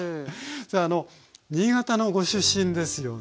さああの新潟のご出身ですよね？